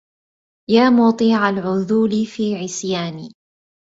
يا مطيع العذول في عصياني